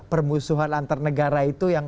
permusuhan antar negara itu